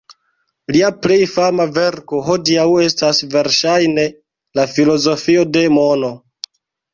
Lia plej fama verko hodiaŭ estas verŝajne "La filozofio de mono".